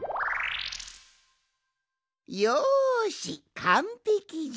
よしかんぺきじゃ！